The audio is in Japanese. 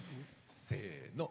せの。